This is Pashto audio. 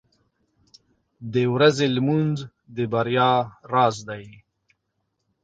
• د ورځې لمونځ د بریا راز دی.